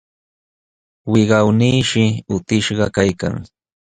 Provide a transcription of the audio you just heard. Wiqawnishi utishqa kaykan,